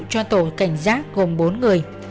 cho tổ cảnh giác gồm bốn người